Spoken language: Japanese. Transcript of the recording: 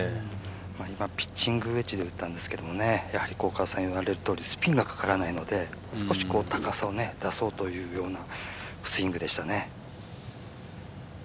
今、ピッチングウェッジで打ったんですけど、やはり加瀬さん言われるとおりスピンがかからないので少し高さを出そうというようなスイングでしたね。